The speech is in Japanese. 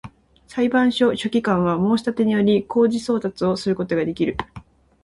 裁判所書記官は、申立てにより、公示送達をすることができる